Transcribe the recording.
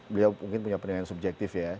beliau mungkin punya pendapat yang subjektif ya